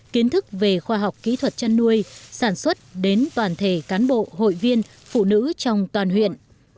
kiến thức về khoa học kỹ thuật chăn nuôi sản xuất đến toàn thể cán bộ hội viên phụ nữ trong toàn huyện